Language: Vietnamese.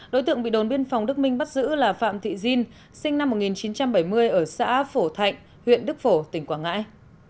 đối tượng bị đồn biên phòng đức minh bắt giữ là phạm thị diên sinh năm một nghìn chín trăm bảy mươi ở xã phổ thạnh huyện đức phổ tỉnh quảng ngãi